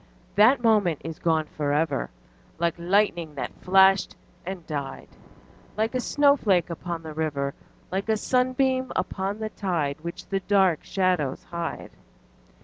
_5 2. That moment is gone for ever, Like lightning that flashed and died Like a snowflake upon the river Like a sunbeam upon the tide, Which the dark shadows hide.